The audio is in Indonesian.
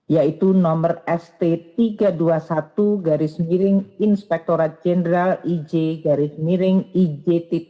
yaitu nomor st tiga ratus dua puluh satu inspektorat jenderal ij ij satu dua ribu dua puluh tiga